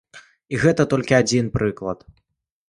І гэта толькі адзін прыклад.